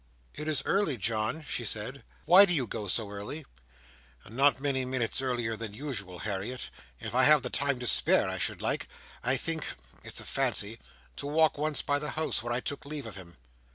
"It is early, John," she said. "Why do you go so early?" "Not many minutes earlier than usual, Harriet. If I have the time to spare, I should like, I think—it's a fancy—to walk once by the house where I took leave of him."